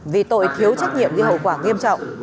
vì tội thiếu trách nhiệm gây hậu quả nghiêm trọng